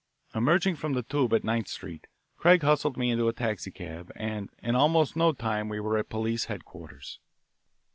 Emerging from the "Tube" at Ninth Street, Craig hustled me into a taxicab, and in almost no time we were at police headquarters.